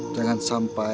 dengan sambil berkata kata